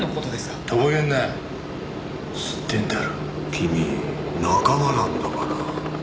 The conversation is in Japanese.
君仲間なんだから。